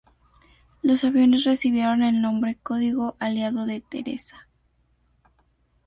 Los aviones recibieron el nombre código aliado de "Theresa.